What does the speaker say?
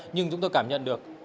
nhưng chúng tôi cảm nhận được